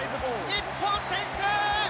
日本先制！